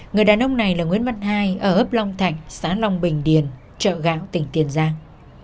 người đàn ông này là nguyễn văn hai ở ấp long thạnh xã long bình điền chợ gạo tỉnh tiền giang